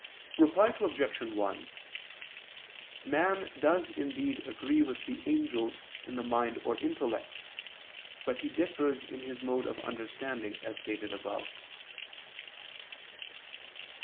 Reply Obj. 1: Man does indeed agree with the angels in the mind or intellect, but he differs in his mode of understanding, as stated above.